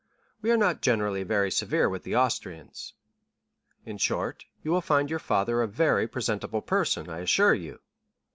We are not generally very severe with the Austrians. In short, you will find your father a very presentable person, I assure you."